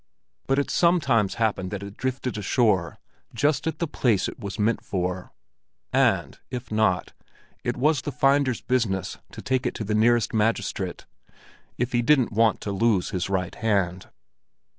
But it sometimes happened that it drifted ashore just at the place it was meant for; and, if not, it was the finder's business to take it to the nearest magistrate, if he didn't want to lose his right hand.